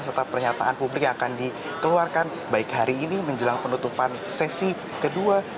serta pernyataan publik yang akan dikeluarkan baik hari ini menjelang penutupan sesi kedua